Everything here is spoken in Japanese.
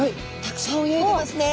たくさん泳いでますね。